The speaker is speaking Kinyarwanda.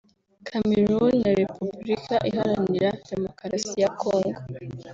Cameroon na Repubulika Iharanira Demokarasi ya Congo